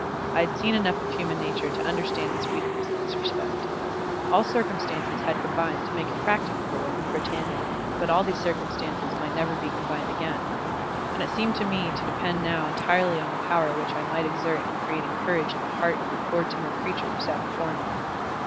I had seen enough of human nature to understand its weakness in this respect. All circumstances had combined to make it practicable in Britannula, but all these circumstances might never be combined again. And it seemed to me to depend now entirely on the power which I might exert in creating courage in the heart of the poor timid creature who sat before me.